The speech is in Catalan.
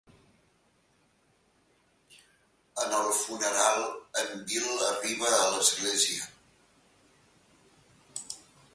En el funeral, en Bill arriba a l'església.